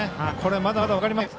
まだまだ分かりませんよ。